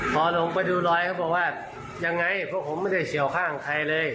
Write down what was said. พอลงไปดูรอยเขาบอกว่ายังไงพวกผมไม่ได้เฉียวข้างใครเลย